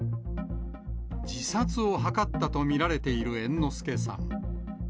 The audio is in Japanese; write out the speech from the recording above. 自殺を図ったと見られている猿之助さん。